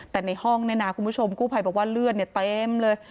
แต่ในห้องคุณผู้ชมกู้ไพบอกว่าเลือดเต็มเลย